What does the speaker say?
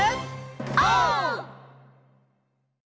オー！